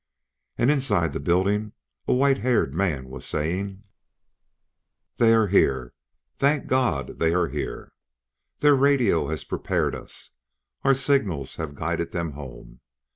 And, inside the building, a white haired man was saying: "They are here! Thank God, they are here! Their radio has prepared us; our signals have guided them home.